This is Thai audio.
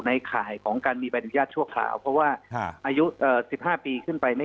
ข่ายของการมีใบอนุญาตชั่วคราวเพราะว่าอายุ๑๕ปีขึ้นไปเนี่ย